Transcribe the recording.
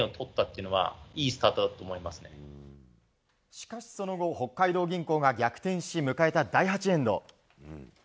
しかし、その後北海道銀行が逆転し迎えた第８エンド。